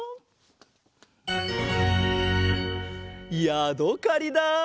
やどかりだ！